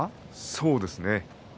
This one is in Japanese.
そうですね。